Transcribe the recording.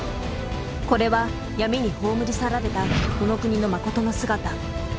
これは闇に葬り去られたこの国のまことの姿。